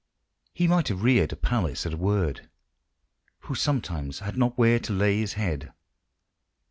He might have reared a palace at a word, Who sometimes had not where to lay His head.